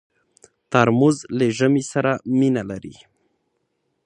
ترموز له ژمي سره مینه لري.